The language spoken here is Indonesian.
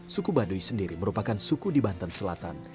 suku baduy sendiri merupakan suku di banten selatan